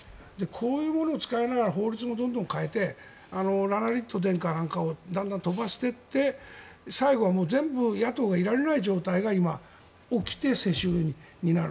こういうものを使いながら法律もどんどん変えて殿下なんかをだんだん飛ばしていって最後は全部野党がいられない状況が起きて世襲になる。